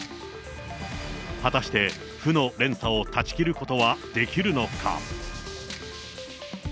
果たして、負の連鎖を断ち切ることはできるのか。